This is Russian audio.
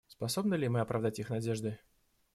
Способны ли мы оправдать их надежды?